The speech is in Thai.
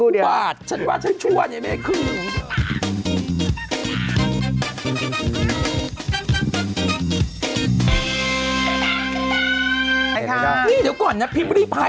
เดี๋ยวก่อนนะพิมพ์รี่พาย